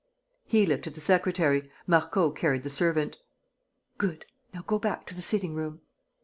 He lifted the secretary. Marco carried the servant. "Good! Now go back to the sitting room."